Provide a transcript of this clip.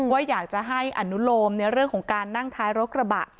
ว่าอยากจะให้อนุโลมในเรื่องของการนั่งท้ายรถกระบะ